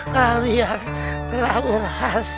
dating dengan kele wohn